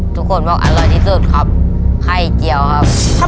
ทุกคนบอกอร่อยที่สุดครับไข่เจียวครับ